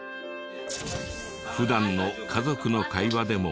普段の家族の会話でも。